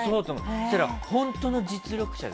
本当の実力者